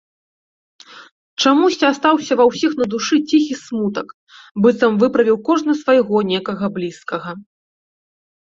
Чамусьці астаўся ва ўсіх на душы ціхі смутак, быццам выправіў кожны свайго некага блізкага.